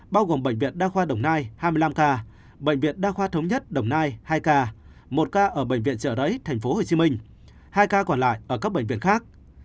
bao gồm bệnh viện đa khoa đồng nai hai mươi năm ca bệnh viện đa khoa thống nhất đồng nai hai ca một ca ở bệnh viện trợ rẫy tp hcm hai ca còn lại ở các bệnh viện khác